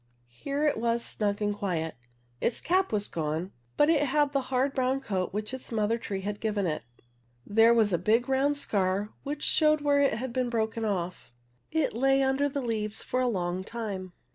6i Here it was snug and quiet. Its cap was gone, but it had the hard brown coat which the mother tree had given it. There was a big round scar which showed where it had been broken off. It lay under the leaves for a long time.